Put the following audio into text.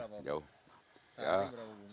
sehari berapa bungkus